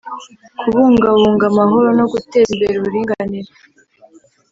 kubungabunga amahoro no guteza imbere uburinganire